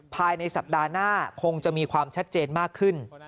ภายในสัปดาห์หน้าคงจะมีความชัดเจนมากขึ้น